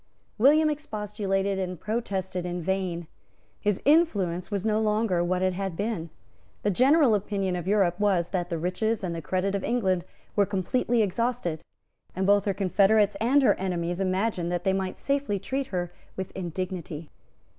William expostulated and protested in vain. His influence was no longer what it had been. The general opinion of Europe was, that the riches and the credit of England were completely exhausted; and both her confederates and her enemies imagined that they might safely treat her with indignity.